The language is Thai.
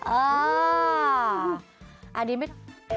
อ๋ออาริมิต